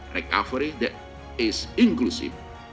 menjawab pemulihan yang inklusif